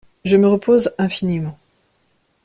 Je me repose infiniment.